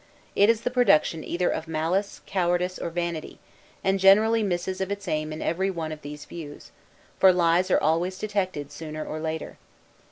It is the production either of malice, cowardice, or vanity; and generally misses of its aim in every one of these views; for lies are always detected sooner or later.